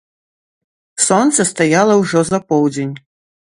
Сонца стаяла ўжо за поўдзень.